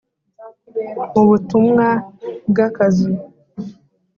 mu butumwa bwa kazi